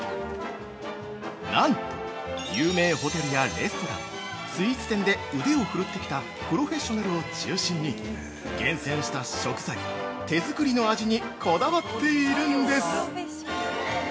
なんと、有名ホテルやレストランスイーツ店で腕を振るってきたプロフェッショナルを中心に厳選した食材、手作りの味にこだわっているんです。